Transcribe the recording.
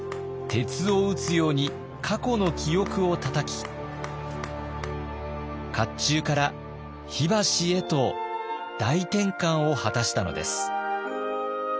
鉄を打つように過去の記憶をたたき甲冑から火箸へと大転換を果たしたのです。